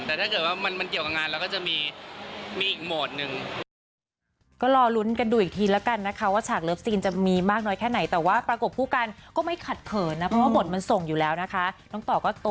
แต่ถ้าเกิดว่ามันเกี่ยวกับงานเราก็จะมีอีกโหมดหนึ่ง